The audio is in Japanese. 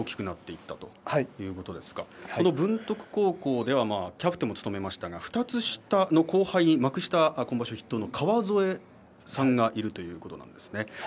文徳高校ではキャプテンを務めましたが２つ下の後輩に幕下筆頭の川副さんがいるということですね。